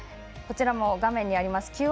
こちらも画面にあります